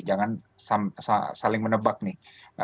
jangan saling menebak nih